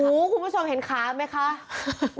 ครูผู้ชมเห็นคะที่มีไซด์ครีม